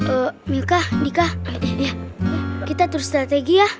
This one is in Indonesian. eee milka dika kita terus strategi ya